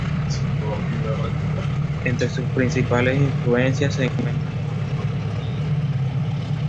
Entre sus principales influencias se encuentran Bon Jovi y Europe.